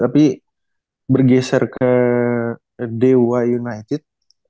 tapi bergeser ke dewa united